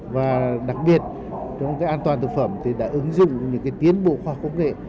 và đặc biệt trong an toàn thực phẩm đã ứng dụng những tiến bộ khoa học công nghệ